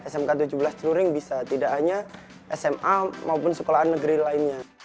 smk tujuh belas celuring bisa tidak hanya sma maupun sekolahan negeri lainnya